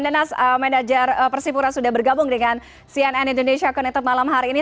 dan asal manajer persipura sudah bergabung dengan cnn indonesia konektif malam hari ini